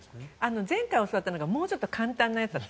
前回教わったのがもうちょっと簡単なのだった。